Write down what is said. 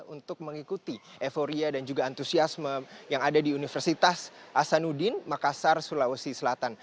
untuk mengikuti euforia dan juga antusiasme yang ada di universitas hasanuddin makassar sulawesi selatan